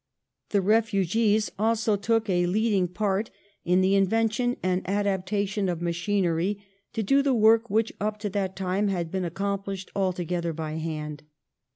The refugees also took a leading part in the invention and adaptation of machinery to do the work which up to that time had been accom phshed altogether by hand.